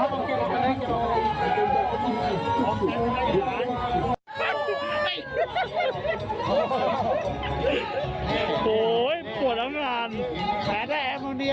โอ้วลุงนึกว่าไปตัวแล้วรู้ว่าตายแล้วลุงตามได้อ่ะ